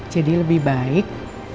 jadi lebih baik